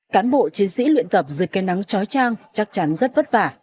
cán bộ chiến sĩ luyện tập dựt cây nắng chói trang chắc chắn rất vất vả